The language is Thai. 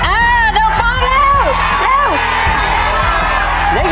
ก็เคยได้เลย